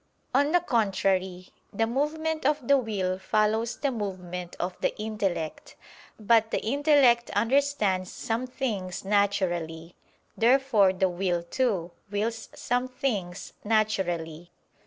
On the contrary, The movement of the will follows the movement of the intellect. But the intellect understands some things naturally. Therefore the will, too, wills some things naturally.